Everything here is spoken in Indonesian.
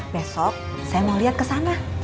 besok saya mau liat kesana